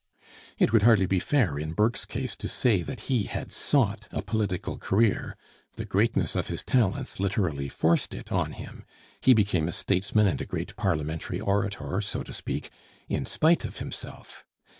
It would be hardly fair in Burke's case to say that he had sought a political career. The greatness of his talents literally forced it on him. He became a statesman and great Parliamentary orator, so to speak, in spite of himself.